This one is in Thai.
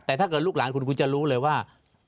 แต่ถ้าเกิดลูกหลานคุณคุณจะรู้เลยว่า